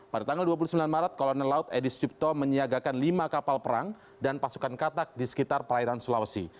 pada tanggal dua puluh sembilan maret kolonel laut edi supto menyiagakan lima kapal perang dan pasukan katak di sekitar perairan sulawesi